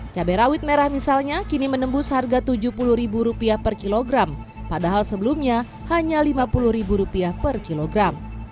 cabai rawit merah misalnya kini menembus harga rp tujuh puluh per kilogram padahal sebelumnya hanya rp lima puluh per kilogram